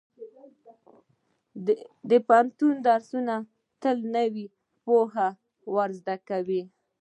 د پوهنتون درسونه تل نوې پوهه ورزده کوي.